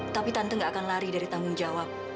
tapi tante gak akan lari dari tanggung jawab